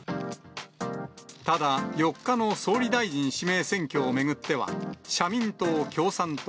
ただ、４日の総理大臣指名選挙を巡っては、社民党、共産党、